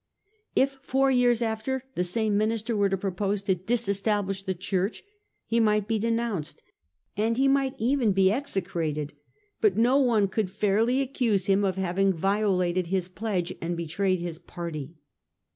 If four years after the same minister were to propose to disestablish the Church, he might be denounced and he might even be execrated, but no one could fairly accuse him of having violated his pledge and betrayed his party.